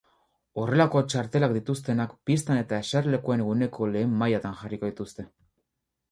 Horrelako txartelak dituztenak pistan eta eserlekuen guneko lehen mailatan jarriko dituzte.